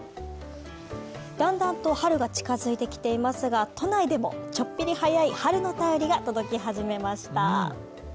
だんだんと春が近づいてきていますが、都内でもちょっぴり早い春の便りが届き始めました。